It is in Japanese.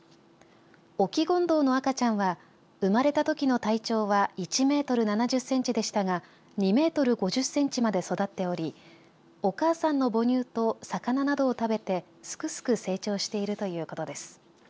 オキゴンドウの赤ちゃんは生まれたときの体長は１メートル７０センチでしたが２メートル５０センチまで育っておりお母さんの母乳と魚などを食べてすくすく成長しているということです。